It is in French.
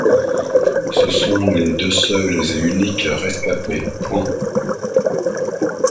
Ce sont les deux seuls et uniques rescapés.